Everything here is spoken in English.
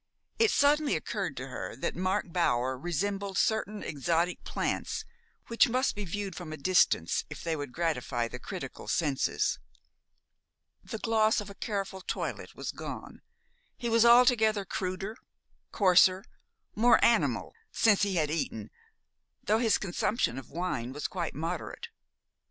It suddenly occurred to her that Mark Bower resembled certain exotic plants which must be viewed from a distance if they would gratify the critical senses. The gloss of a careful toilet was gone. He was altogether cruder, coarser, more animal, since he had eaten, though his consumption of wine was quite moderate.